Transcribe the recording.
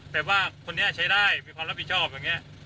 แต่ว่าคนนี้ใช้ได้มีความรับผิดชอบอย่างนี้